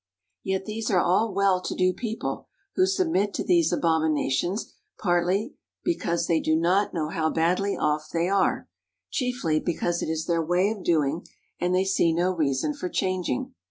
Yet these are all well to do people, who submit to these abominations partly because they do not know how badly off they are—chiefly because it is their way of doing, and they see no reason for changing.